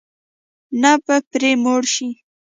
نه به پرې موړ شې.